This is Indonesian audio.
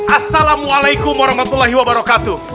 assalamualaikum warahmatullahi wabarakatuh